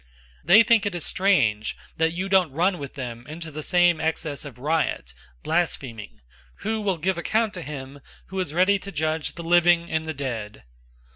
004:004 They think it is strange that you don't run with them into the same excess of riot, blaspheming: 004:005 who will give account to him who is ready to judge the living and the dead.